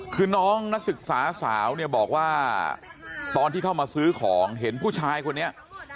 คือน้องนักศึกษาสาวเนี่ยบอกว่าตอนที่เข้ามาซื้อของเห็นผู้ชายคนนี้